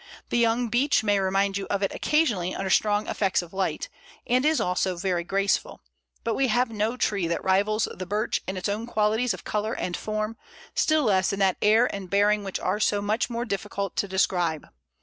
The young beech may remind you of it occasionally under strong effects of light, and is also very graceful, but we have no tree that rivals the birch in its own qualities of colour and form, still less in that air and bearing which are so much more difficult to describe.